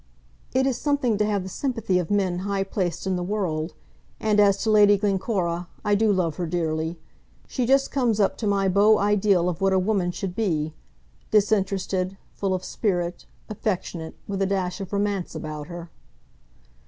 "It is something to have the sympathy of men high placed in the world. And as to Lady Glencora, I do love her dearly. She just comes up to my beau ideal of what a woman should be, disinterested, full of spirit, affectionate, with a dash of romance about her."